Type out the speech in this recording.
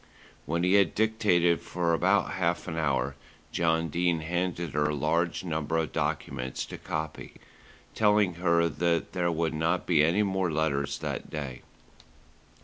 When he had dictated for about half an hour, John Dene handed her a large number of documents to copy, telling her that there would not be any more letters that day.